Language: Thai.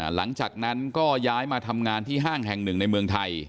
หลังจากนั้นก็ย้ายมาทำงานที่ห้างแห่งหนึ่งในเมืองไทย